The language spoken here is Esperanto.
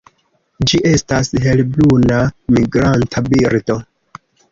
Ĝi estas helbruna migranta birdo.